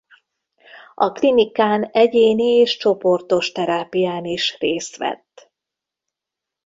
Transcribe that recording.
A klinikán egyéni és csoportos terápián is részt vett.